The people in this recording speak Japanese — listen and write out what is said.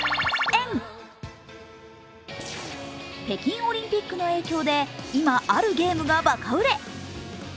北京オリンピックの影響で今、あるゲームがバカ売れ。